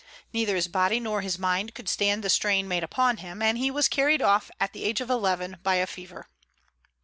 Neither his body nor his mind could stand the strain made upon him, and he was carried off at the age of eleven by a fever.